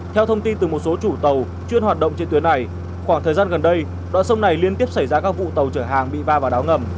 theo thông tin từ một số chủ tàu chuyên hoạt động trên tuyến này khoảng thời gian gần đây đoạn sông này liên tiếp xảy ra các vụ tàu chở hàng bị va vào đá ngầm